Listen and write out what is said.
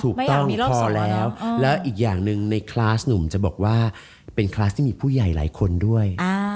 ถูกต้องพอแล้วแล้วอีกอย่างหนึ่งในคลาสหนุ่มจะบอกว่าเป็นคลาสที่มีผู้ใหญ่หลายคนด้วย